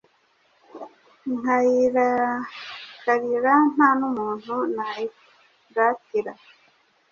Nkayirakarira nta n’umuntu nayiratira